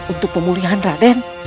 untuk pemulihan raden